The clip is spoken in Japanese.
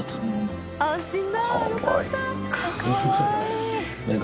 安心だよかった。